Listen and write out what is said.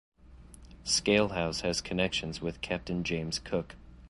Skaill House has connections with Captain James Cook.